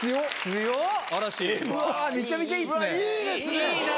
うわぁ、めちゃめちゃいいですね。